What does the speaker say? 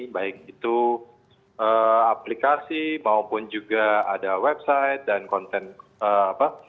baik itu aplikasi maupun juga ada website dan konten apa